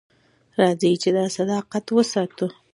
راځئ چې دا صداقت وساتو.